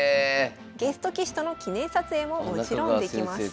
ゲスト棋士との記念撮影ももちろんできます。